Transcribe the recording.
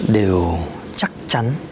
đều chắc chắn